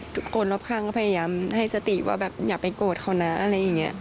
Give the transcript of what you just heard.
คนรอบข้างก็พยายามให้สติว่าแบบอย่าไปโกรธเขานะอะไรอย่างนี้